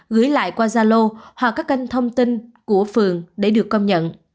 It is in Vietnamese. gửi lại qua zalo hoặc các kênh thông tin của phường để được công nhận